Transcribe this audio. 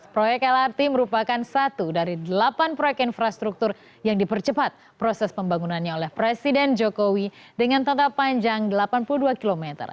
proyek lrt merupakan satu dari delapan proyek infrastruktur yang dipercepat proses pembangunannya oleh presiden jokowi dengan tata panjang delapan puluh dua km